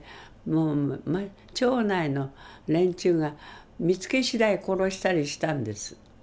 もう町内の連中が見つけ次第殺したりしたんです